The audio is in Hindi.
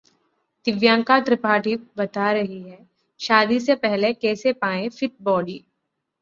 दिव्यांका त्रिपाठी बता रही हैं शादी से पहले कैसे पाएं फिट बॉडी...